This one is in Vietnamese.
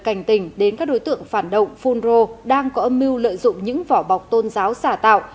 cảnh tình đến các đối tượng phản động phun rô đang có âm mưu lợi dụng những vỏ bọc tôn giáo xả tạo